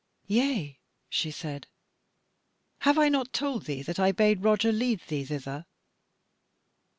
"Yea," she said, "have I not told thee that I bade Roger lead thee thither?"